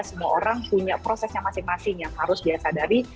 semua orang punya prosesnya masing masing yang harus dihasadari